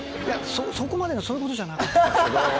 「そこまでのそういうことじゃなかったんですけど」。